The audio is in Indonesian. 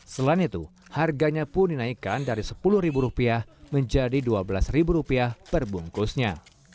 selain itu harganya pun dinaikkan dari rp sepuluh menjadi rp dua belas perbungkusnya